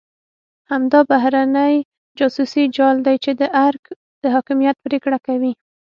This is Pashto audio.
همدا بهرنی جاسوسي جال دی چې د ارګ د حاکمیت پرېکړه کوي.